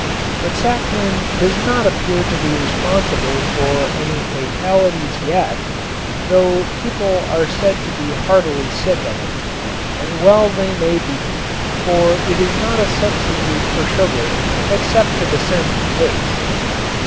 But saccharin does not appear to be responsible for any fatalities yet, though people are said to be heartily sick of it. And well they may be, for it is not a substitute for sugar except to the sense of taste.